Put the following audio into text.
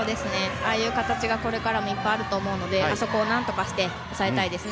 ああいう形が、これからもいっぱいあると思うのであそこを何とかして抑えたいです。